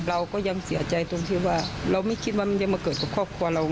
เราก็ยังเสียใจตรงที่ว่าเราไม่คิดว่ามันจะมาเกิดกับครอบครัวเรา